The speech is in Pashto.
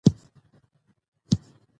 کورني او بهرني پانګه وال پانګونه کوي.